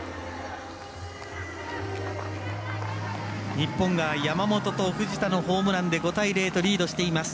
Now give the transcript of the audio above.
日本が山本と藤田のホームランで５対０とリードしています。